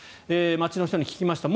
街の人に聞きました。